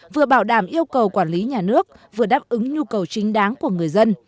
vừa bảo đảm yêu cầu quản lý nhà nước vừa đáp ứng nhu cầu chính đáng của người dân